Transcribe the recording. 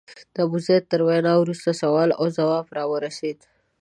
د ابوزید تر وینا وروسته سوال او ځواب راورسېد.